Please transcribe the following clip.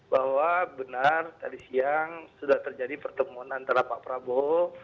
bahwa benar tadi siang sudah terjadi pertemuan antara pak prabowo